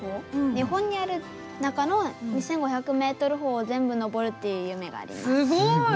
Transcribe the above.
日本にある中の２５００ｍ峰を全部登るっていう夢があります。